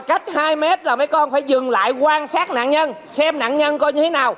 điều nhất là mấy con phải dừng lại quan sát nạn nhân xem nạn nhân coi như thế nào